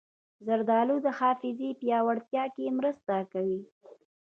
زردالو د حافظې پیاوړتیا کې مرسته کوي.